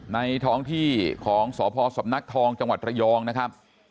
ท้องที่ของสพสำนักทองจังหวัดระยองนะครับ